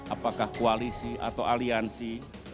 apakah koalisi atau aliansi